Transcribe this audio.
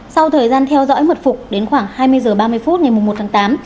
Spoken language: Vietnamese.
sau thời gian theo dõi mật phục đến khoảng hai mươi h ba mươi phút ngày một tháng tám